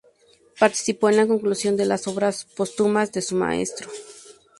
Participó en la conclusión de las obras póstumas de su maestro.